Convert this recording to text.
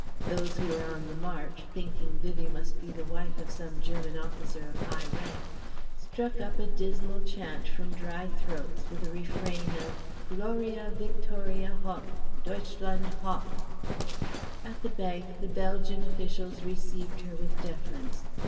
Those who were on the march, thinking Vivie must be the wife of some German officer of high rank, struck up a dismal chant from dry throats with a refrain of "Gloria, Viktoria, Hoch! Deutschland, Hoch!" At the bank the Belgian officials received her with deference.